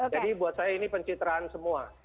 jadi buat saya ini pencitraan semua